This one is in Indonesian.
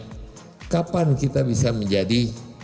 jadi kapan kita bisa menjadi